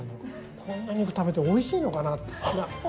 こんな肉を食べておいしいのかな。